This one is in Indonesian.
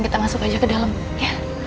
kita masuk aja ke dalam ya